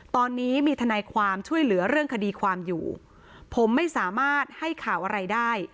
ตอนนี้มีทนายความช่วยเหลือเรื่องคดีความอยู่ผมไม่สามารถให้ข่าวอะไรได้